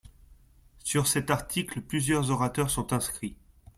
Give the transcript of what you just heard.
Sur cet article, plusieurs orateurs sont inscrits.